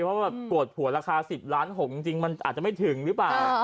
เราก่วดผัวราคา๑๐๖ล้านจริงมันอาจจะไม่ถึงหรือเปล่า